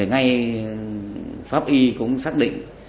ngay pháp y cũng xác định